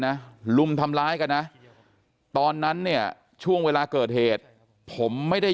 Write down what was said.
ลุมทำร้ายกันนะตอนนั้นเนี่ยช่วงเวลาเกิดเหตุผมไม่ได้